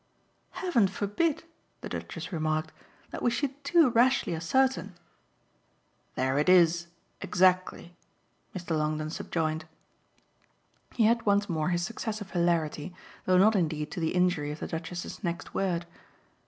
"Heaven forbid," the Duchess remarked, "that we should too rashly ascertain." "There it is exactly," Mr. Longdon subjoined. He had once more his success of hilarity, though not indeed to the injury of the Duchess's next word.